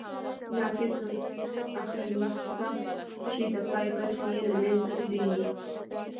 ناقص الاخرنسخه، چي د پای برخي ئې له منځه تللي يي.